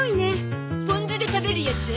ポン酢で食べるやつ？